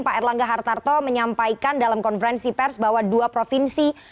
pak erlangga hartarto menyampaikan dalam konferensi pers bahwa dua provinsi